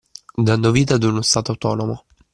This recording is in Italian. Dando vita ad uno stato autonomo.